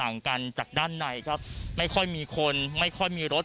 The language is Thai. กันจากด้านในครับไม่ค่อยมีคนไม่ค่อยมีรถ